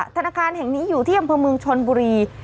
ธนาคารแห่งนี้อยู่ที่อำเภอเมืองชนบุรี